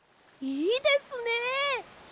いいですね！